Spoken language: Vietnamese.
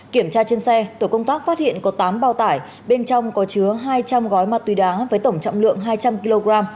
kiểm tra trên xe tổ công tác phát hiện có tám bao tải bên trong có chứa hai trăm linh gói ma túy đá với tổng trọng lượng hai trăm linh kg